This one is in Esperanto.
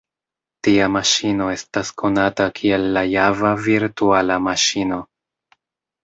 Tia maŝino estas konata kiel la Java Virtuala Maŝino.